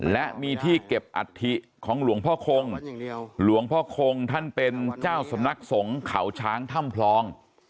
และมีที่เก็บอัฐิของหลวงพ่อคงหลวงพ่อคงท่านเป็นเจ้าสำนักสงฆ์เขาช้างถ้ำพลอง